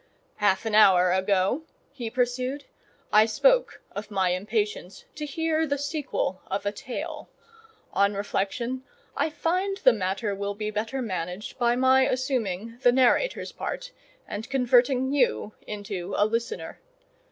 "Half an hour ago," he pursued, "I spoke of my impatience to hear the sequel of a tale: on reflection, I find the matter will be better managed by my assuming the narrator's part, and converting you into a listener.